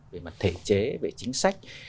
về mặt thể chế về chính sách